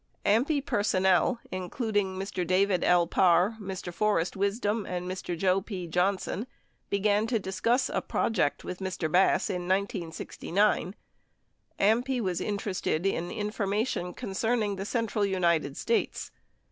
"AMPI person nel, including Mr. David L. Parr, Mr. Forrest Wisdom, and Mr. Joe P. Johnson, began to discuss a 'project' with Mr. Bass, in 1969." 32 AMPI was interested in information concerning the central United States.